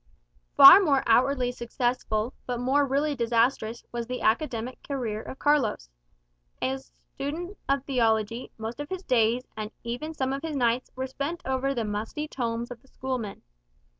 Far more outwardly successful, but more really disastrous, was the academic career of Carlos. As student of theology, most of his days, and even some of his nights, were spent over the musty tomes of the Schoolmen.